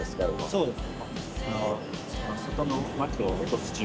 そうです。